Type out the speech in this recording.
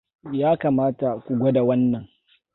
Ya kamata ku gwada wannan.